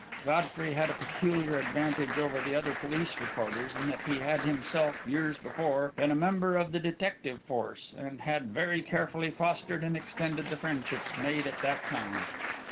Godfrey had a peculiar advantage over the other police reporters in that he had himself, years before, been a member of the detective force, and had very carefully fostered and extended the friendships made at that time.